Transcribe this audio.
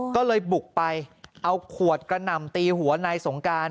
ก็เลยบุกไปเอาขวดกระหน่ำตีหัวนายสงการ